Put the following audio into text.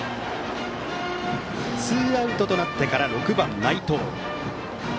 ツーアウトとなってから６番、内藤。